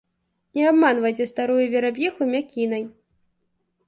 Не абманвайце старую вераб'іху мякінай.